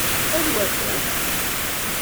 Anwa-ten?